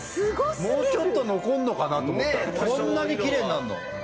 もうちょっと残るのかなと思ったらこんなにきれいになるの？